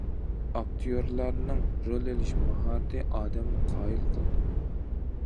ئاكتىيورلارنىڭ رول ئېلىش ماھارىتى ئادەمنى قايىل قىلىدۇ.